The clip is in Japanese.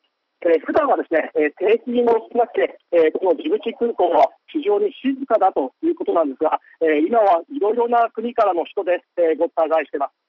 普段は定期便も少なくてここ、ジブチ空港は非常に静かだということなんですが今はいろいろな国からの人でごった返しています。